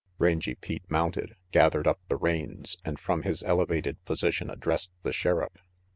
Rangy Pete mounted, gathered up the reins, and from his elevated position addressed the Sheriff.